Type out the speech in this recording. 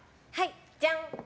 じゃん。